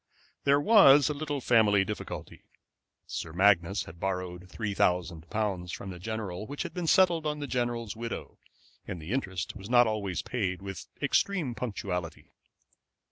There was a little family difficulty. Sir Magnus had borrowed three thousand pounds from the general which had been settled on the general's widow, and the interest was not always paid with extreme punctuality.